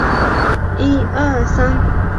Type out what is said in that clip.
石英石矿藏丰富。